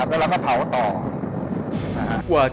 เหมือนเล็บตลอดเวลา